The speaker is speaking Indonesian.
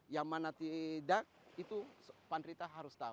yang mana tidak itu pan rita harus tahu